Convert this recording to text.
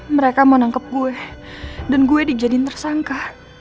mereka mau nangkep gue dan gue dijadiin tersangka